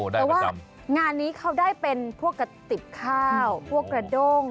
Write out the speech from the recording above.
แต่ว่างานนี้เขาได้เป็นพวกกระติบข้าวพวกกระด้ง